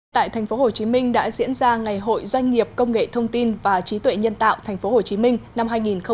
tại tp hcm đã diễn ra ngày hội doanh nghiệp công nghệ thông tin và trí tuệ nhân tạo tp hcm năm hai nghìn một mươi chín